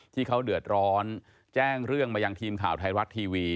ที่เขาเดือดร้อนแจ้งเรื่องมายังทีมข่าวไทยรัฐทีวี